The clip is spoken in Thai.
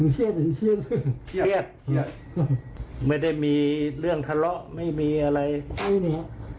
มันเชียดมันเชียดเชียดเชียดไม่ได้มีเรื่องทะเลาะไม่มีอะไรใช่เนี่ย